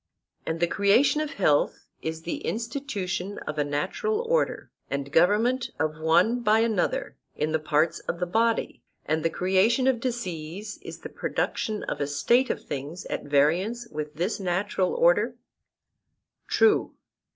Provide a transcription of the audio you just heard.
And the creation of health is the institution of a natural order and government of one by another in the parts of the body; and the creation of disease is the production of a state of things at variance with this natural order? True.